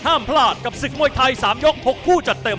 ห้ามพลาดกับศึกมวยไทย๓ยก๖คู่จัดเต็ม